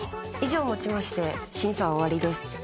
以上をもちまして審査は終わりです。